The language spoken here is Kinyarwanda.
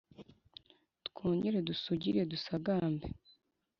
twongere dusugire dusagambe